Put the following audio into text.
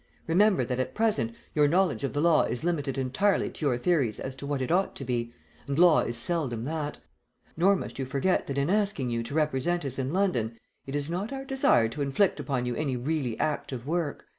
Remember that at present your knowledge of the law is limited entirely to your theories as to what it ought to be, and law is seldom that; nor must you forget that in asking you to represent us in London, it is not our desire to inflict upon you any really active work.